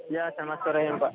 ya selamat sore ya pak